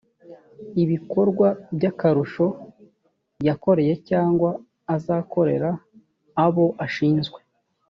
ibikorwa by akarusho yakoreye cyangwa azakorera abo ashinzwe